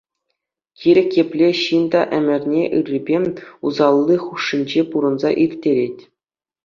Кирек епле ҫын та ӗмӗрне ыррипе усалли хушшинче пурӑнса ирттерет.